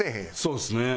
そうですね。